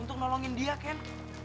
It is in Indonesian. untuk nolongin dia ken